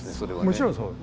もちろんそう。